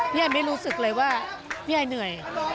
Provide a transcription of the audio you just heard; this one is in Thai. พี่ไอ้ไม่รู้สึกเลยว่าพี่ไอ้เหนื่อย